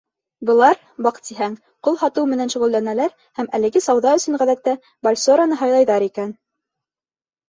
Былар, баҡтиһәң, ҡол һатыу менән шөғөлләнәләр һәм әлеге сауҙа өсөн, ғәҙәттә, Бальсораны һайлайҙар икән.